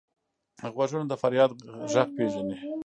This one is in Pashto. غوږونه د فریاد غږ پېژني